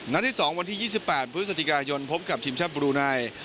ที่๒วันที่๒๘พฤศจิกายนพบกับทีมชาติบรูไน